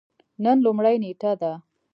نن لومړۍ نیټه ده